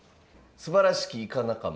「すばらしきイカ仲間」。